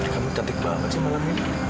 kamu cantik banget